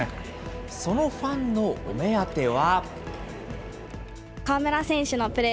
そのファンのお目当ては。